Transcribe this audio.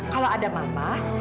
kalau ada mama